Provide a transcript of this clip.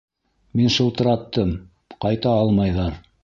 Мин шылтыраттым, ҡайта алмайҙар.